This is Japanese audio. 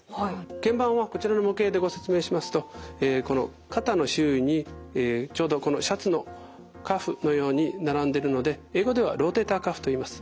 けん板はこちらの模型でご説明しますとえこの肩の周囲にちょうどこのシャツのカフのように並んでるので英語ではローテーターカフといいます。